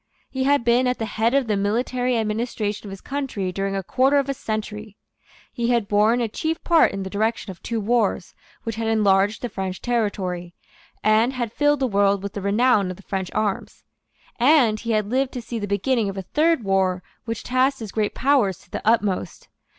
He had been at the head of the military administration of his country during a quarter of a century; he had borne a chief part in the direction of two wars which had enlarged the French territory, and had filled the world with the renown of the French arms; and he had lived to see the beginning of a third war which tasked his great powers to the utmost.